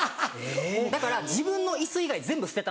だから自分の椅子以外全部捨てたんですよ。